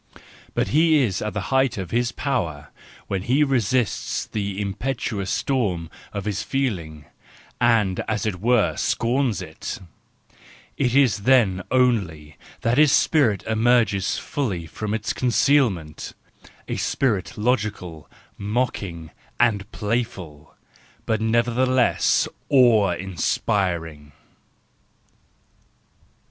But he is at the height of his power when he resists the impetuous storm of his feeling, and as it were scorns it; it is then only that his spirit emerges fully from its concealment, a spirit logical, mocking, and playful, but never¬ theless awe inspiring.